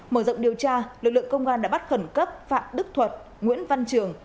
mở rộng điều tra lực lượng công an đã bắt khẩn cấp phạm đức thuật nguyễn văn trường